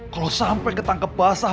kalau sampai ketangkep basah